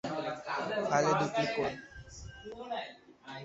ফাইলে দুই ক্লিক করুন।